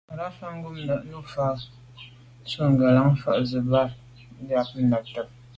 Rǎfàá’ ngômnâ’ nû fâ’ tɔ̌ ngə̀lâŋ fǎ zə̄ bū jâ nàptə́ lá.